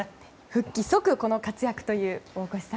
復帰即この活躍という。